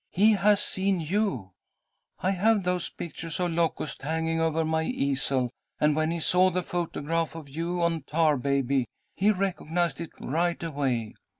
he has seen you. I have those pictures of Locust hanging over my easel, and, when he saw the photograph of you on Tar Baby, he recognized it right away.